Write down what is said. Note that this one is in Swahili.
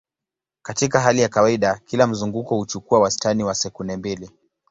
Katika hali ya kawaida, kila mzunguko huchukua wastani wa sekunde mbili.